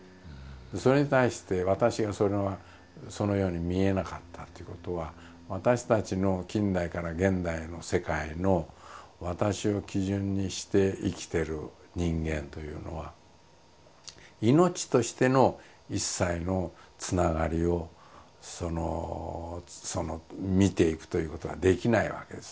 それに対して私がそれはそのように見えなかったっていうことは私たちの近代から現代の世界の「私」を基準にして生きてる人間というのは命としての一切のつながりを見ていくということができないわけですね。